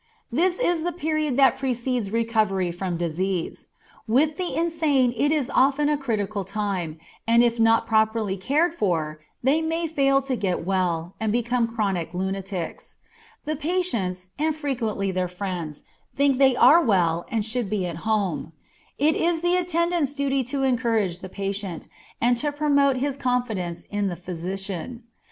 _ This is the period that precedes recovery from disease. With the insane it is often a critical time, and if not properly cared for they may fail to get well, and become chronic lunatics. The patients, and frequently their friends, think they are well and should be at home. It is the attendant's duty to encourage the patient, and to promote his confidence in the physician.